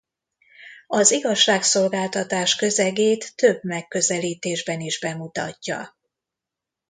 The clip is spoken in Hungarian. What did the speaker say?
Az igazságszolgáltatás közegét több megközelítésben is bemutatja.